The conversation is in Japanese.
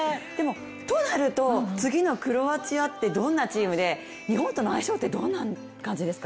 となるとその次のクロアチアってどんなチームで、日本との相性ってどんな感じですか？